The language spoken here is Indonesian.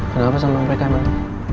kenapa sama mereka emang